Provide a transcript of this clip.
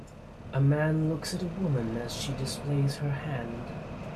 A man looks at a woman as she displays her hand.